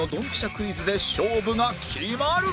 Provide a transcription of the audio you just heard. クイズで勝負が決まる！